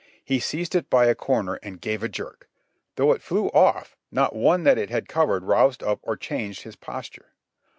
He seized it by a corner and gave a jerk; though it flew off, not one that it had covered roused up or changed his posture.